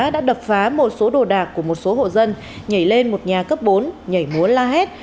đã đập phá một số đồ đạc của một số hộ dân nhảy lên một nhà cấp bốn nhảy múa la hét